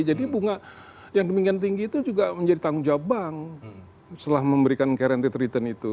jadi bunga yang demikian tinggi itu juga menjadi tanggung jawab bank setelah memberikan guaranteed return itu